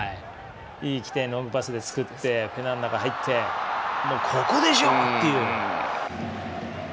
いい起点、ロングパスを作ってペナの中に入ってここでしょ！っていう。